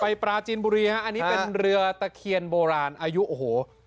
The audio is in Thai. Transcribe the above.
ปลาจีนบุรีฮะอันนี้เป็นเรือตะเคียนโบราณอายุโอ้โห